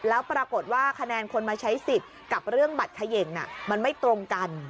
แล้วปรากฏว่าคะแนนคนมาใช้สิทธิ์กับเรื่องบัตรเขย่งมันไม่ตรงกัน